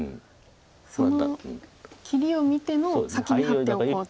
その切りを見ての先にハッておこうと。